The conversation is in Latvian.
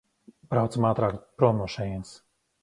Braucam ātrāk prom no šejienes!